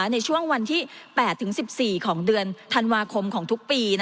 ในช่วงวันที่๘๑๔ของเดือนธันวาคมของทุกปี